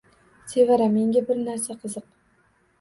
— Sevara, menga bir narsa qiziq